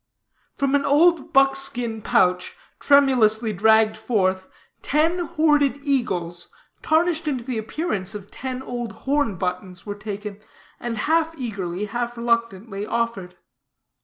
From an old buckskin pouch, tremulously dragged forth, ten hoarded eagles, tarnished into the appearance of ten old horn buttons, were taken, and half eagerly, half reluctantly, offered.